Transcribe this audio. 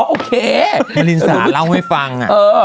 โอเคนารินสาเล่าให้ฟัง